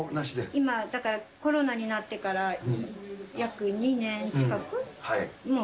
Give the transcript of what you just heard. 今、だからコロナになってから、約２年近く？